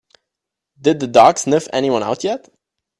Did the dog sniff anyone out yet?